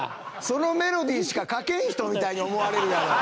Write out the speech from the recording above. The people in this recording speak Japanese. そのメロディーしか書けん人みたいに思われるやろう。